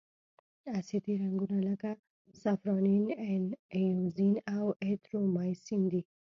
اسیدي رنګونه لکه سافرانین، ائوزین او ایریترومایسین دي.